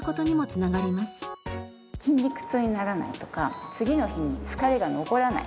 筋肉痛にならないとか次の日に疲れが残らない